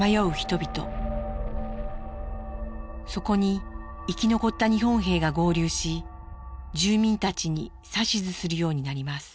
そこに生き残った日本兵が合流し住民たちに指図するようになります。